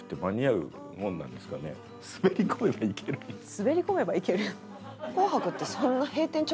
「滑り込めばいける」？